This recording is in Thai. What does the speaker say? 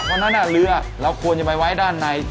เพราะฉะนั้นเรือเราควรจะไปไว้ด้านใน